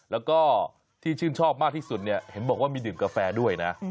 แล้วก็ที่ชื่นชอบมากที่สุดเนี่ยเห็นบอกว่ามีดื่มกาแฟด้วยนะ